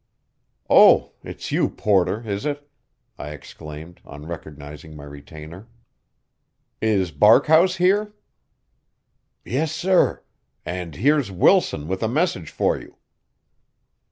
"Oh, it's you, Porter, is it?" I exclaimed, on recognizing my retainer. "Is Barkhouse here?" "Yes, sir. An' here's Wilson with a message for you."